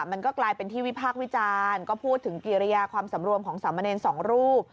มันก็กลายเป็นที่วิพากษ์วิจารณ์ก็พูดถึงกิริยาความสำรวมของสามเณรสองรูป